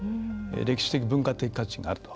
歴史的、文化的価値があると。